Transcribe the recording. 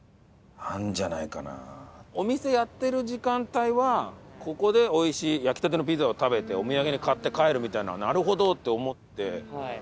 お店やってる時間帯はここで美味しい焼きたてのピザを食べてお土産に買って帰るみたいなのは「なるほど！」って思って。